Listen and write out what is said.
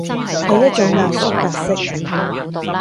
係一種壓縮格式